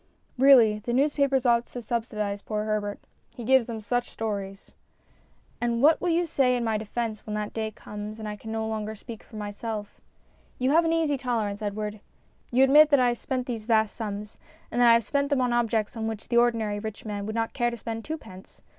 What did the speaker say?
Really the newspapers ought to subsidise poor Herbert. He gives them such stories. 246 STORIES IN GREY And what will you say in my defence when that day comes and I can no longer speak for myself? You have an easy tolerance, Edward. You admit that I have spent these vast sums, and that I have spent them on objects on which the ordinary rich man would not care to spend twopence.